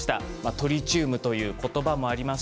トリチウムという言葉もあります。